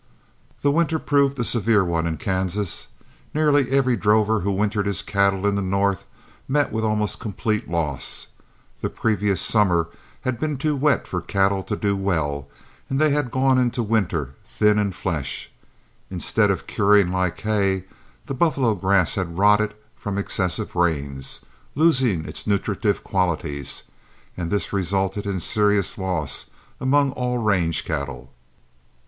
The winter proved a severe one in Kansas. Nearly every drover who wintered his cattle in the north met with almost complete loss. The previous summer had been too wet for cattle to do well, and they had gone into winter thin in flesh. Instead of curing like hay, the buffalo grass had rotted from excessive rains, losing its nutritive qualities, and this resulted in serious loss among all range cattle.